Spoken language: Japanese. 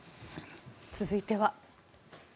続いては。